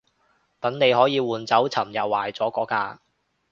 等你可以換走尋日壞咗嗰架